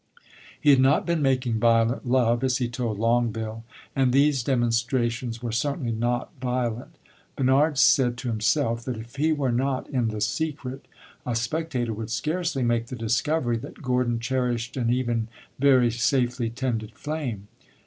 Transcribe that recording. He had not been making violent love, as he told Longueville, and these demonstrations were certainly not violent. Bernard said to himself that if he were not in the secret, a spectator would scarcely make the discovery that Gordon cherished an even very safely tended flame.